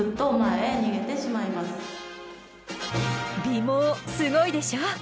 尾毛すごいでしょ？